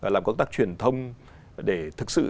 làm công tác truyền thông để thực sự